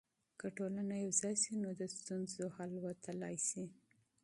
که ټولنه یوځای سي، نو د ستونزو حل ممکن دی.